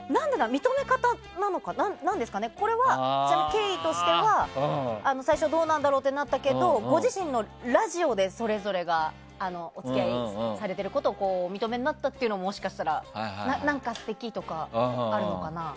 認め方なのかこれはちなみに経緯としては最初どうなんだろうと思ったけどご自身のラジオで、それぞれがお付き合いされていることをお認めになったということも何か素敵とか、あるのかな。